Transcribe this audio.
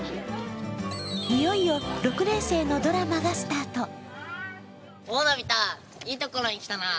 いよいよ、６年生のドラマがスタート。